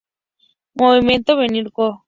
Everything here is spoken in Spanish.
Movimiento, Vernier Go!